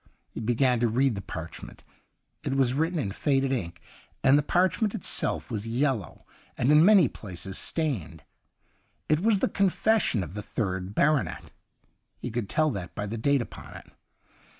He began to read the parchment ; it was written in faded ink, and the parch ment itself was yellow and in many places stained. It was the confes sion of the third baronet — he could tell that by the date upon it.